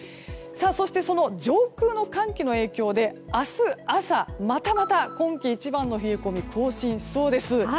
そして、上空の寒気の影響で明日朝、またまた今季一番の冷え込みを更新しそうです。